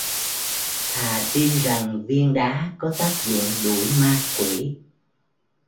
thà tin rằng viên đá có tác dụng đuổi ma quỷ